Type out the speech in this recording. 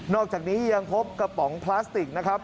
อกจากนี้ยังพบกระป๋องพลาสติกนะครับ